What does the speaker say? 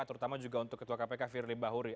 terutama juga untuk ketua kpk sir libahuri